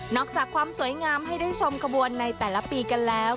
อกจากความสวยงามให้ได้ชมขบวนในแต่ละปีกันแล้ว